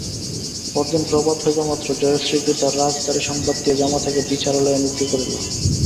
পর দিন প্রভাত হইবামাত্র জয়শ্রীর পিতা রাজদ্বারে সংবাদ দিয়া জামাতাকে বিচারালয়ে নীত করিল।